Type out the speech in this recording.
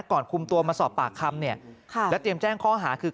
ก่อนคุมตัวมาสอบปากคำเนี่ยแล้วเตรียมแจ้งข้อหาคือ